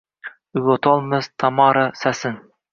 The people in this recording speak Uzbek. Uyg’otolmas Tamara sasin